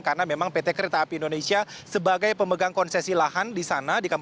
karena memang pt kereta api indonesia sebagai pemegang konsesi lahan di sana